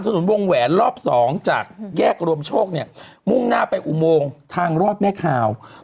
คุณแม่น่าจะไปไม่เอา